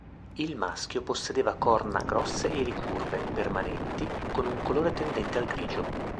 Il maschio possedeva corna grosse e ricurve, permanenti, con un colore tendente al grigio.